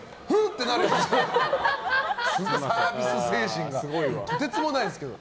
サービス精神がとてつもないですけど。